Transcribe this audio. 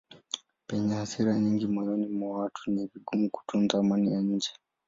Penye hasira nyingi moyoni mwa watu ni vigumu kutunza amani ya nje.